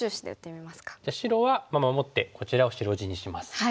白は守ってこちらを白地にします。